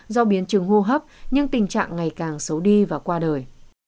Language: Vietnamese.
do biến chứng hô hấp nhưng tình trạng ngày càng xấu đi và qua đời